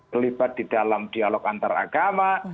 terlibat di dalam dialog antaragama